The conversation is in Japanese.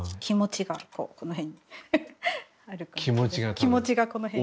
気持ちがこの辺に。